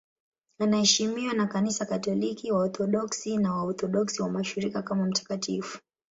Anaheshimiwa na Kanisa Katoliki, Waorthodoksi na Waorthodoksi wa Mashariki kama mtakatifu.